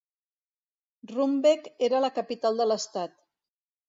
Rumbek era la capital de l'estat.